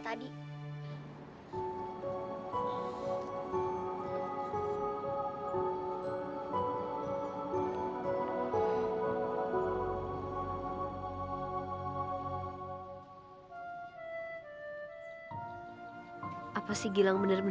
tapi bel lo tuh ga bunyi bunyi